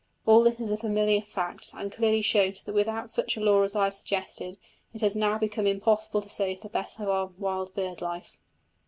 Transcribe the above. All this is a familiar fact, and clearly shows that without such a law as I have suggested it has now become impossible to save the best of our wild bird life.